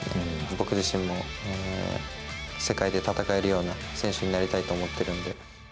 僕自身も世界で戦えるような選手になりたいと思ってるんで。